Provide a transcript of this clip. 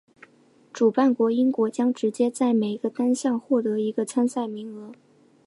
主办国英国将直接在每个单项获得一个参赛名额。